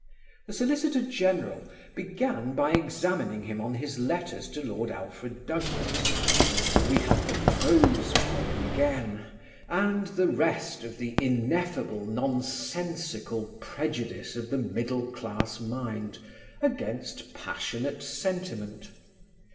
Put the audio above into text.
The Solicitor General began by examining him on his letters to Lord Alfred Douglas and we had the "prose poem" again and the rest of the ineffable nonsensical prejudice of the middle class mind against passionate sentiment.